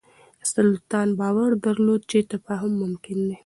سلطان باور درلود چې تفاهم ممکن دی.